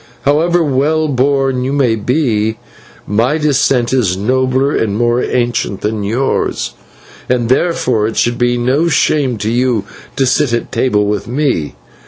However well born you may be, my descent is nobler and more ancient than yours, and therefore it should be no shame to you to sit at table with me.